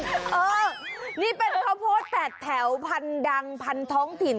เออนี่เป็นข้าวโพด๘แถวพันดังพันท้องถิ่น